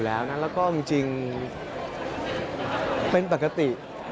แล้วก็จริงเป็นปกติ